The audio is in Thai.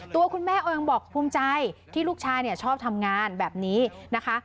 ตัวคุณแม่เองบอกภูมิใจที่ลูกชายชอบทำงานแบบนี้นะคะ